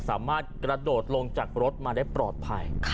สามารถกระโดดลงจากรถมาได้ปลอดภัย